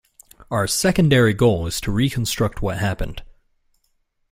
Our secondary goal is to reconstruct what happened.